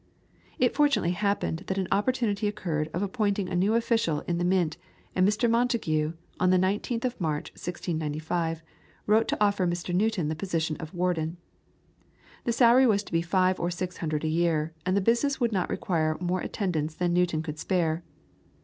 It fortunately happened that an opportunity occurred of appointing a new official in the Mint; and Mr. Montagu on the 19th of March, 1695, wrote to offer Mr. Newton the position of warden. The salary was to be five or six hundred a year, and the business would not require more attendance than Newton could spare.